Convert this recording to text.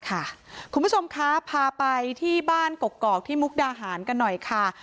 คุณผู้ชมคะพาไปที่บ้านกกอกที่มุกดาหารกันหน่อยค่ะ